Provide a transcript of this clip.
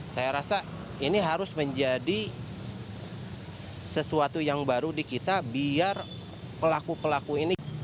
saya rasa ini harus menjadi sesuatu yang baru di kita biar pelaku pelaku ini